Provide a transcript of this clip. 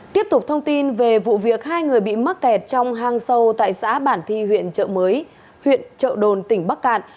tiếp tục thông tin về vụ việc hai người bị mắc kẹt trong hang sâu tại xã bản thi huyện trợ mới huyện trợ đồn tỉnh bắc cạn